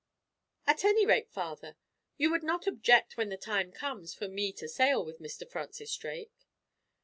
"At any rate, Father, you would not object when the time comes for me to sail with Mr. Francis Drake?"